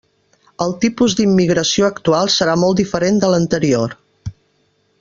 El tipus d'immigració actual serà molt diferent de l'anterior.